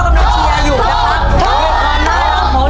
พวกที่มันเชียร์อยู่นะครับ